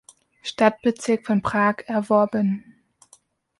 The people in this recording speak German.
Stadtbezirk von Prag erworben.